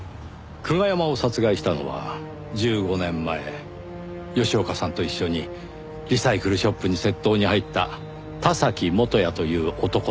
久我山を殺害したのは１５年前吉岡さんと一緒にリサイクルショップに窃盗に入った田崎元哉という男でした。